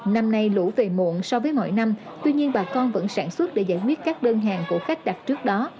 năm nay lũ về muộn so với mọi năm tuy nhiên bà con vẫn sản xuất để giải quyết các đơn hàng của khách đặt trước đó